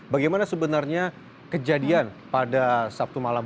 bagaimana sebenarnya kejadian pada sabtu malam